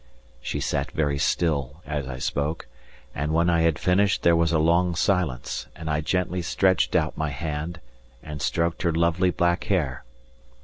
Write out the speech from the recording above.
She sat very still as I spoke, and when I had finished there was a long silence and I gently stretched out my hand and stroked her lovely black hair.